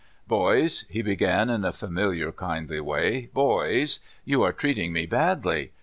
"Boys," he began, in a familiar, kijidly way, "boys, you are treating me badly.